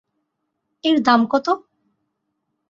এর দাম কত?